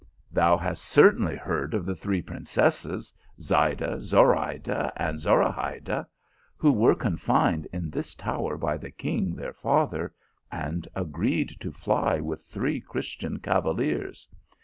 " Thou hast certainly heard of the three prin cesses, Zayda, Zorayda, and Zorahayda, who were confined in this tower by the king their father, and agreed to fly with three Christian cavaliers.